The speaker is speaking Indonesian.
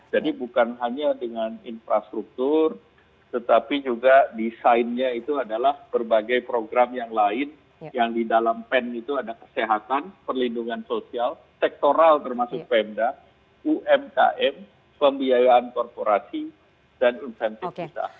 bukan hanya dengan infrastruktur tetapi juga desainnya itu adalah berbagai program yang lain yang di dalam pen itu ada kesehatan perlindungan sosial sektoral termasuk pemda umkm pembiayaan korporasi dan insentif kita